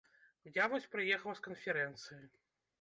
Я вось прыехаў з канферэнцыі.